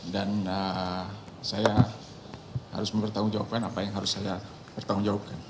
dan saya harus mempertanggungjawabkan apa yang harus saya pertanggungjawabkan